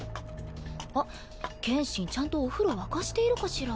あっ剣心ちゃんとお風呂沸かしているかしら。